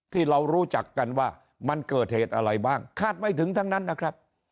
ที่เรารู้จักกันว่ามันเกิดเหตุอะไรบ้างคาดไม่ถึงทั้งนั้นนะครับ